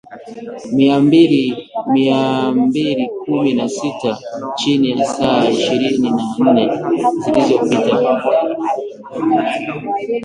mia mbili kumi na sita chini ya saa ishirini na nne zilizopita